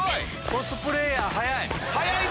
コスプレーヤー速い！